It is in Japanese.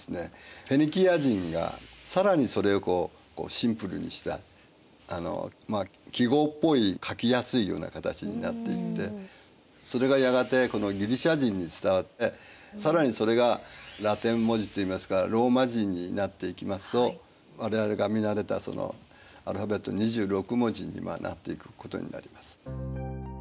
フェニキア人が更にそれをシンプルにした記号っぽい書きやすいような形になっていってそれがやがてこのギリシア人に伝わって更にそれがラテン文字と言いますかローマ字になっていきますと我々が見慣れたアルファベット２６文字になっていくことになります。